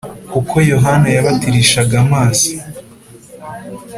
kuko Yohana yabatirishaga amazi